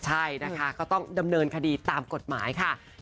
ใช่นะคะก็ต้องดำเนินคดีตามกฎหมายค่ะ